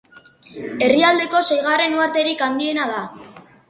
Herrialdeko seigarren uharterik handiena da.